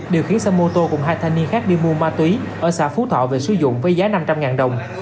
điều khiển xe mô tô cùng hai thanh niên khác đi mua ma túy ở xã phú thọ về sử dụng với giá năm trăm linh đồng